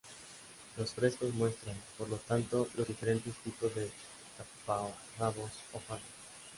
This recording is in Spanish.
Los frescos muestran, por lo tanto, los diferentes tipos de taparrabos o faldas.